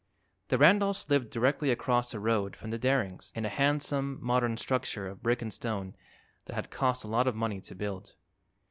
The Randolphs lived directly across the road from the Darings, in a handsome, modern structure of brick and stone that had cost a lot of money to build.